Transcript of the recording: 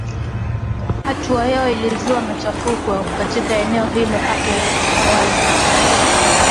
Hatua yao ilizua machafuko katika eneo hilo hapo awali